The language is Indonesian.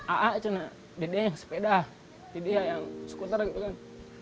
aa itu nah dede yang sepeda dede yang skuter gitu kan